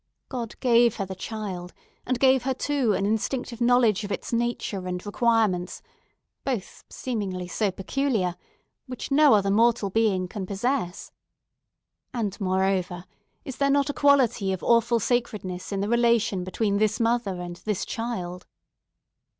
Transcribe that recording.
God gave her the child, and gave her, too, an instinctive knowledge of its nature and requirements—both seemingly so peculiar—which no other mortal being can possess. And, moreover, is there not a quality of awful sacredness in the relation between this mother and this child?"